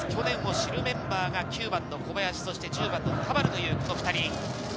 去年を知るメンバーが９番の小林、そして１０番の田原という２人。